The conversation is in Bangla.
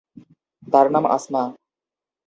তার নাম আসমা।